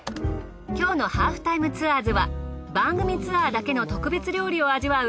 きょうの『ハーフタイムツアーズ』は番組ツアーだけの特別料理を味わう